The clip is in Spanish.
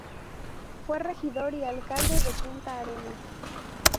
Fue regidor y alcalde de Punta Arenas.